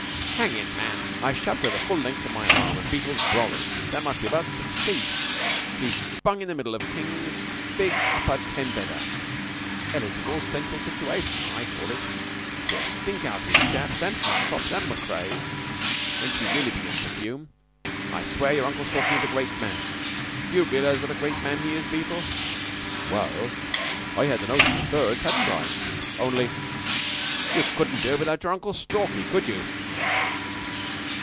"Hang it, man, I shoved her the full length of my arm and Beetle's brolly. That must be about six feet. She's bung in the middle of King's big upper ten bedder. Eligible central situation, I call it. She'll stink out his chaps, and Hartopp's and Macrea's, when she really begins to fume. I swear your Uncle Stalky is a great man. Do you realize what a great man he is, Beetle?" "Well, I had the notion first, hadn't I ? only " "You couldn't do it without your Uncle Stalky, could you?"